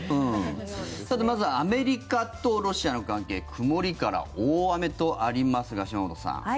さて、まずはアメリカとロシアの関係曇りから大雨とありますが島本さん。